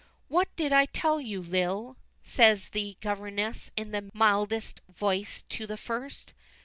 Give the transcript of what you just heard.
"What did I tell you, Lil?" says the governess in the mildest voice to the first.